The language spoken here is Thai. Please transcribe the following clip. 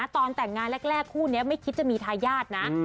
ตอนแต่งงานแรกคู่นี้ไม่คิดจะมีทายาทนะ